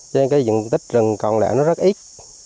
cho nên cái diện tích rừng còn lại nó rất ít